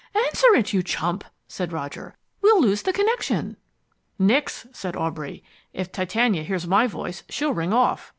"Answer it, you chump!" said Roger. "We'll lose the connection!" "Nix," said Aubrey. "If Titania hears my voice she'll ring off.